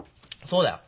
そうだよ。